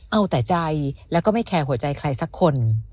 เอาแต่ใจแล้วก็ไม่แคร์หัวใจใครสักคน